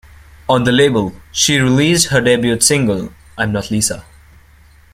On the label, she released her debut single, I'm Not Lisa.